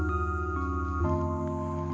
emang gak banyak nyamuk lagi